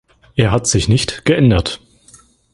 Er hat sich nicht geändert.